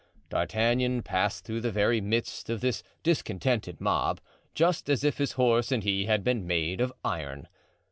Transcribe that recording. D'Artagnan passed through the very midst of this discontented mob just as if his horse and he had been made of iron.